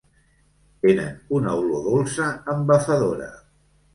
Tenen una olor dolça embafadora.